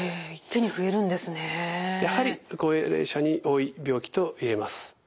やはり高齢者に多い病気と言えます。